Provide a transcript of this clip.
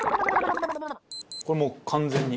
これもう完全に。